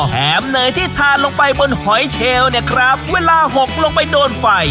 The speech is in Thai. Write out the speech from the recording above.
แหมเนยที่ทานลงไปบนหอยเชลเนี่ยครับเวลาหกลงไปโดนไฟ